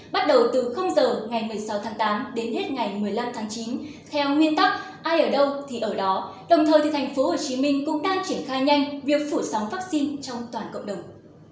bắt đầu từ giờ ngày một mươi sáu tháng tám đến hết ngày một mươi năm tháng chín theo nguyên tắc ai ở đâu thì ở đó đồng thời thành phố hồ chí minh cũng đang triển khai nhanh việc phủ sóng vaccine trong toàn cộng đồng